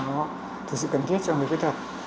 nó thực sự cần thiết cho người khuyết tật